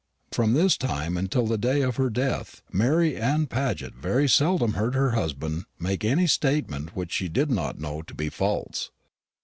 From this time until the day of her death Mary Anne Paget very seldom heard her husband make any statement which she did not know to be false.